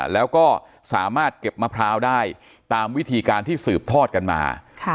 แล้วก็สามารถเก็บมะพร้าวได้ตามวิธีการที่สืบทอดกันมา